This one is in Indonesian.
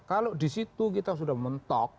kalau di situ kita sudah mentok